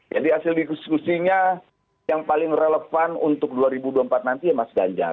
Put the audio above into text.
jadi hasil diskusinya yang paling relevan untuk dua ribu dua puluh empat nanti ya mas ganjar